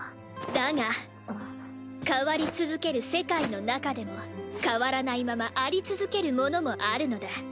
だが変わり続ける世界の中でも変わらないままあり続けるものもあるのだ。